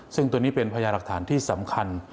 ซึ่งตัวนี้เป็นพยาหลักฐานที่สำคัญ